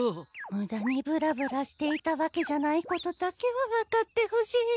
ムダにブラブラしていたわけじゃないことだけは分かってほしい。